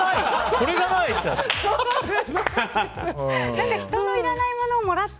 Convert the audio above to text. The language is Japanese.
これがない！って。